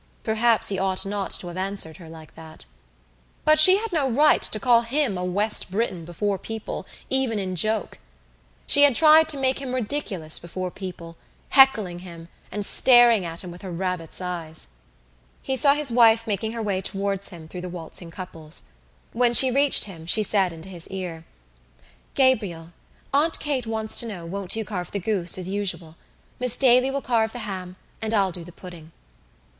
Perhaps he ought not to have answered her like that. But she had no right to call him a West Briton before people, even in joke. She had tried to make him ridiculous before people, heckling him and staring at him with her rabbit's eyes. He saw his wife making her way towards him through the waltzing couples. When she reached him she said into his ear: "Gabriel, Aunt Kate wants to know won't you carve the goose as usual. Miss Daly will carve the ham and I'll do the pudding."